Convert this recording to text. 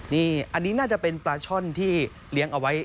นี่อันนี้น่าจะเป็นปลาช่อนที่เลี้ยงเอาไว้